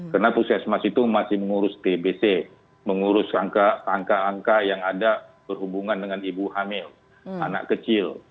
karena pusat mas itu masih mengurus tbc mengurus angka angka yang ada berhubungan dengan ibu hamil anak kecil